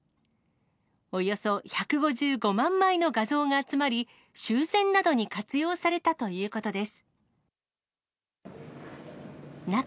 およそ１５５万枚の画像が集まり、修繕などに活用されたということです。